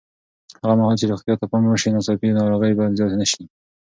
هغه مهال چې روغتیا ته پام وشي، ناڅاپي ناروغۍ به زیاتې نه شي.